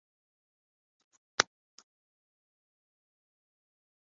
山東省の省都は済南である